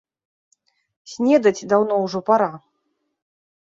Снедаць даўно ўжо пара.